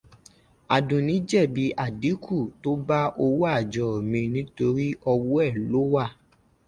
Àdùnní jẹ́bi àdínkù tó bá owó àjọ mi nítorí ọwọ́ ẹ̀ ló wà.